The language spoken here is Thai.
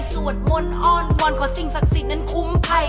สวดมนต์อ้อนวอนขอสิ่งศักดิ์สิทธิ์นั้นคุ้มภัย